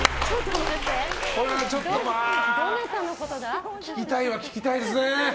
これはちょっと聞きたいは聞きたいですね。